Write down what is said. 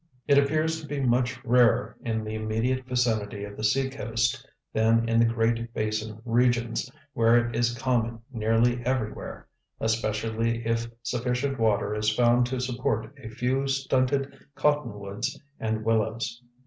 It appears to be much rarer in the immediate vicinity of the seacoast than in the Great Basin regions, where it is common nearly everywhere, especially if sufficient water is found to support a few stunted cottonwoods and willows.